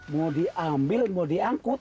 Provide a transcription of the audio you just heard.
mau diambil mau diangkut